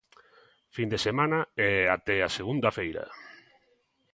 Fin de semana e até a segunda feira.